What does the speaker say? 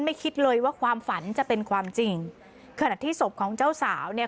คิดเลยว่าความฝันจะเป็นความจริงขณะที่ศพของเจ้าสาวเนี่ย